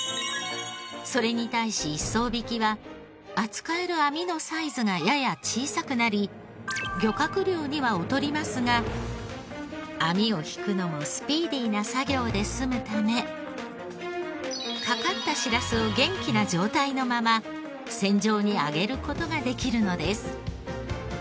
それに対し一艘曳きは扱える網のサイズがやや小さくなり漁獲量には劣りますが網を曳くのもスピーディーな作業で済むため掛かったしらすを元気な状態のまま船上に揚げる事ができるのです。